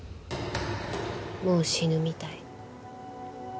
「もう死ぬみたい」